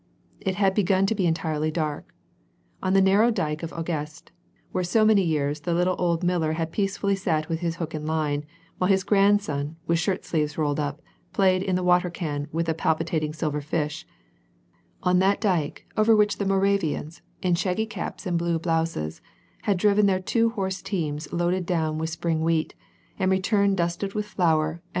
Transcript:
It had begun to be entirely dark. On the narrow dyke of Augest, where so many years the little old miller had peacefully sat with his hook and line, while his grandson with shirt sleeves rolled up, played in the water can with the palpitating silver fish ; on that dyke, over which the Moravians, in shaggy caps and blue blouses, had driven their two horse teams loaded down with spring wheat, and returned dusted with flour and VOL, 1.